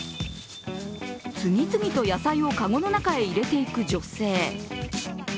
次々と野菜を籠の中へ入れていく女性。